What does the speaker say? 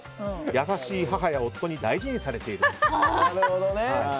優しい母や夫に大事にされている。